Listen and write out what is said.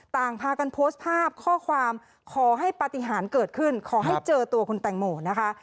ต่างพากันโพสต์ภาพข้อความขอให้ปฏิหารเกิดขึ้นขอให้เจอตัวคุณแตงโมนะคะ